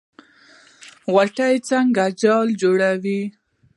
غڼه څنګه جال جوړوي؟